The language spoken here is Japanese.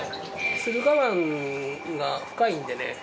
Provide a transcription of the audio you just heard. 駿河湾が深いんでね